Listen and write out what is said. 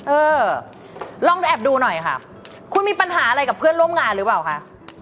เออลองแอบดูหน่อยค่ะคุณมีปัญหาอะไรกับเพื่อนร่วมงานหรือเปล่าคะ